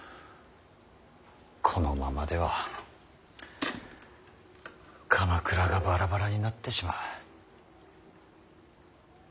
このままでは鎌倉がバラバラになってしまう。